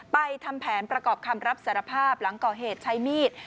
ทำแผนประกอบคำรับสารภาพหลังก่อเหตุใช้มีด